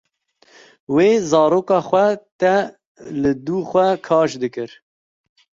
Wê zaroka te li du xwe kaş dikir.